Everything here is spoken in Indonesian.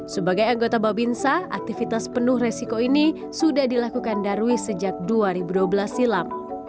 sebagai anggota babinsa aktivitas penuh resiko ini sudah dilakukan darwi sejak dua ribu dua belas silam